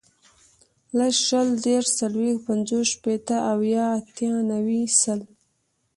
لس, شل, دېرس, څلوېښت, پنځوس, شپېته, اویا, اتیا, نوي, سل